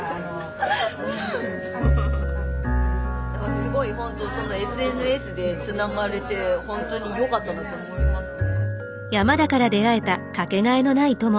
すごいほんとそのＳＮＳでつながれてほんとによかったと思いますね。